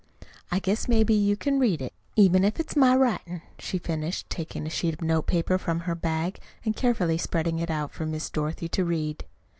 I guess maybe you can read it, even if't is my writin'," she finished, taking a sheet of note paper from her bag and carefully spreading it out for Miss Dorothy to read.